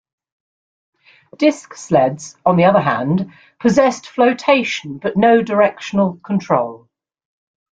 Disk sleds, on the other hand, possessed floatation but no directional control.